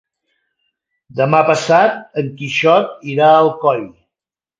Demà passat en Quixot irà a Alcoi.